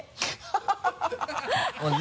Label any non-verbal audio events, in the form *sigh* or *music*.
ハハハ *laughs*